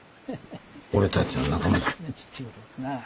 俺たちの仲間だ。